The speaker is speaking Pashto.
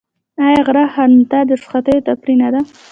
آیا غره ختنه د رخصتیو تفریح نه ده؟